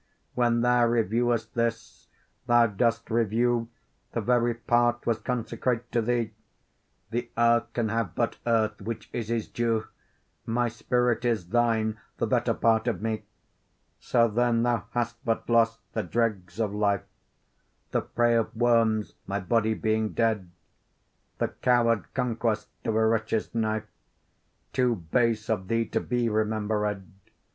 When thou reviewest this, thou dost review The very part was consecrate to thee: The earth can have but earth, which is his due; My spirit is thine, the better part of me: So then thou hast but lost the dregs of life, The prey of worms, my body being dead; The coward conquest of a wretch's knife, Too base of thee to be remembered.